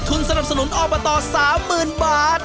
ทุนสนับสนุนออกมาต่อ๓๐๐๐๐บาท